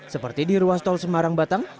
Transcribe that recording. seperti di ruas tol semarang batang